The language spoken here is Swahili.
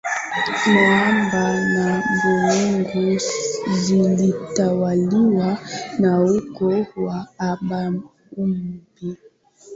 Muhambwe na buyungu zilitawaliwa na ukoo wa abahumbi